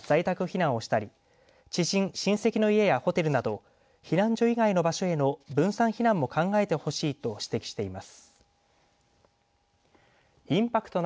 自宅が安全な場所にあるなら在宅避難をしたり知人、親戚の家やホテルなど避難所以外の場所への分散避難も考えてほしいと指摘しています。